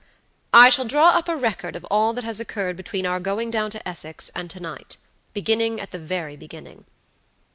"I shall draw up a record of all that has occurred between our going down to Essex and to night, beginning at the very beginning."